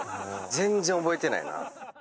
全然覚えてないな。